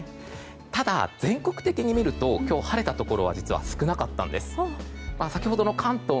ただ、全国的に見ると今日、晴れたところは実は少なかったんです。